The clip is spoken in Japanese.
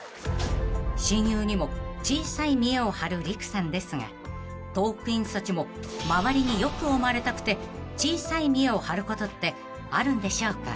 ［親友にも小さい見栄を張る利久さんですがトークィーンズたちも周りに良く思われたくて小さい見栄を張ることってあるんでしょうか？］